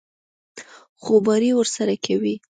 خوباري ورسره کوي.